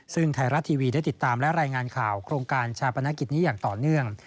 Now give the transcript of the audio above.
ซึ่งไทยรัฐทีวีได้ติดตามและรายงานข่าวโครงการชาปนกิจนี้อย่างต่อเนื่อง